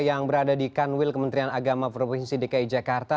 yang berada di kanwil kementerian agama provinsi dki jakarta